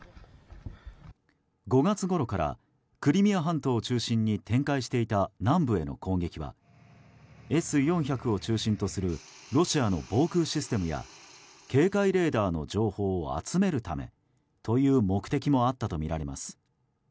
５月ごろからクリミア半島を中心に展開していた南部への攻撃はＳ４００を中心とするロシアの防空システムや警戒レーダーの情報を集めるためという目的もあったとみられます。